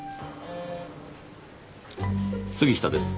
杉下です。